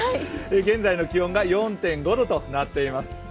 現在の気温が４．５度となっています